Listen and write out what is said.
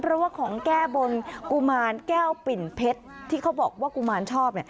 เพราะว่าของแก้บนกุมารแก้วปิ่นเพชรที่เขาบอกว่ากุมารชอบ